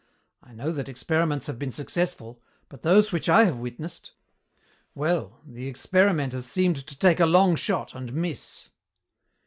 I know that experiments have been successful, but those which I have witnessed well, the experimenters seemed to take a long shot and miss."